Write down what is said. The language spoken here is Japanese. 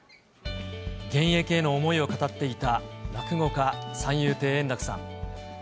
現役への思いを語っていた落語家、三遊亭円楽さん。